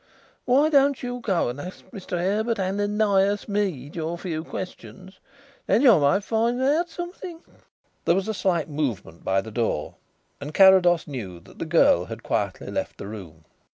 Why don't you go and ask Mr. Herbert Ananias Mead your few questions then you might find out something." There was a slight movement by the door and Carrados knew that the girl had quietly left the room.